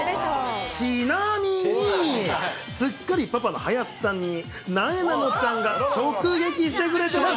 ちなみに、すっかりパパの林さんに、なえなのちゃんが直撃してくれてます。